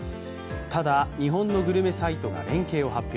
ただ、日本のグルメサイトが連携を発表。